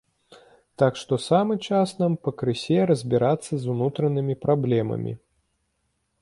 Так што самы час нам пакрысе разбірацца з унутранымі праблемамі.